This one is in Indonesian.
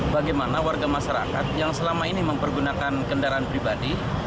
bagaimana warga masyarakat yang selama ini mempergunakan kendaraan pribadi